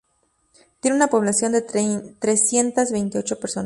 Tiene una población de trescientas veintiocho personas.